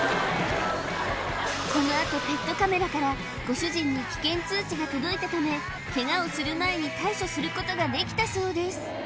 このあとペットカメラからご主人に危険通知が届いたためケガをする前に対処することができたそうです